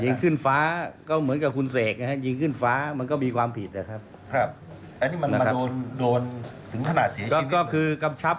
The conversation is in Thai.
ยิงขึ้นฟ้าก็เหมือนคุณเสกนะครับยิงขึ้นฟ้ามันก็มีความผิดแหล่ะครับ